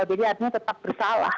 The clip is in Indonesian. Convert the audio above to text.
jadi artinya tetap bersalah